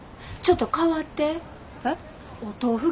ちょっと代わって。